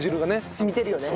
染みてるよね。